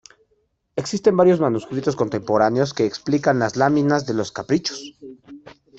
Existen varios manuscritos contemporáneos que explican las láminas de los "Caprichos".